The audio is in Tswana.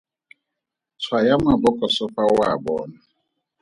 Tshwaya mabokoso fa o a bona.